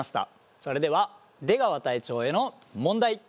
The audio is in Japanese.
それでは出川隊長への問題。